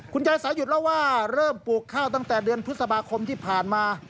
ยายสายุทธ์เล่าว่าเริ่มปลูกข้าวตั้งแต่เดือนพฤษภาคมที่ผ่านมา